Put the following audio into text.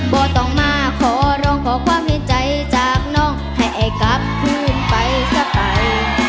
ก็ต้องมาขอร้องขอความเห็นใจจากน้องให้ไอ้กลับคืนไปซะไป